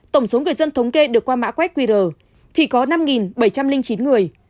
tổng số người dân thống kê được qua mã quét qr thì có năm bảy trăm linh chín người